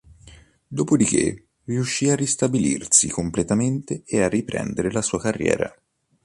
Dopodiché riuscì a ristabilirsi completamente e a riprendere la sua carriera.